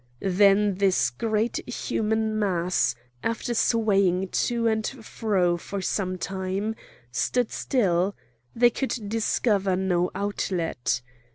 Then this great human mass, after swaying to and fro for some time, stood still; they could discover no outlet.